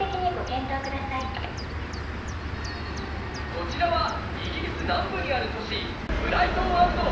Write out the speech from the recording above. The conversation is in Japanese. こちらはイギリス南部にある都市